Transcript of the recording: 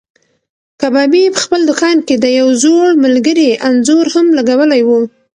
کبابي په خپل دوکان کې د یو زوړ ملګري انځور هم لګولی و.